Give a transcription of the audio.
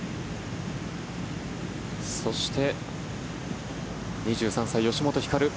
そして、２３歳吉本ひかる。